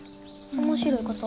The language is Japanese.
面白いこと？